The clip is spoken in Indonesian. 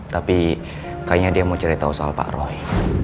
tapi kayaknya dia mau cerita soal pak roy